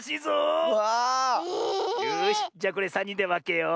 よしじゃこれさんにんでわけよう。